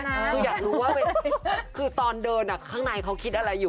คืออยากรู้ว่าคือตอนเดินข้างในเขาคิดอะไรอยู่